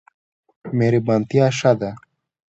مهربانتیا ښه ده.